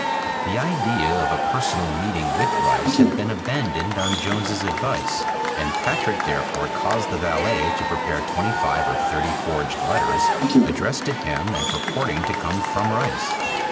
The idea of a personal meeting with Rice had been abandoned on Jones's advice, and Patrick therefore caused the valet to prepare twenty five or thirty forged letters addressed to him and purporting to come from Rice.